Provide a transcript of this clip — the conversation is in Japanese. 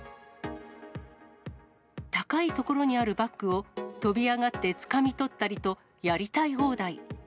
高い所にあるバッグを、飛び上がってつかみ取ったりと、やりたい放題。